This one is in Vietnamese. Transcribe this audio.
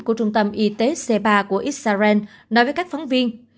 của trung tâm y tế c ba của israel nói với các phóng viên